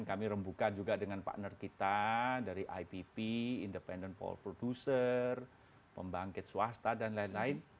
kami rembukan juga dengan partner kita dari ipp independent power producer pembangkit swasta dan lain lain